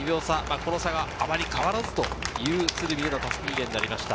この差があまり変わらずという鶴見での襷リレーとなりました。